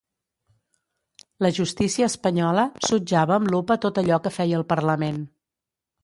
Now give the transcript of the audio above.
La justícia espanyola sotjava amb lupa tot allò que feia el parlament.